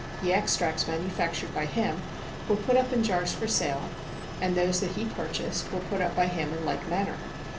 The extracts manufactured by him were put up in jars for sale,, and those that he purchased were put up by him in like manner.